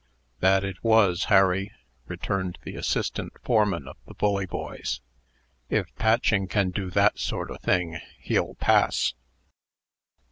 "That it wos, Harry," returned the assistant foreman of the Bully Boys. "If Patching can do that sort o' thing, he'll pass."